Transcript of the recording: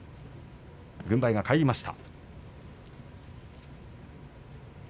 軍配が返りました。